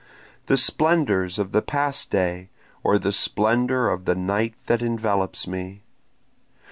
The splendors of the past day? or the splendor of the night that envelops me?